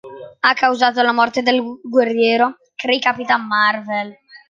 Ha causato la morte del guerriero Kree Capitan Marvel.